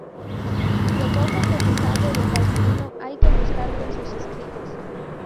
Lo poco que se sabe de Faustino hay que buscarlo en sus escritos.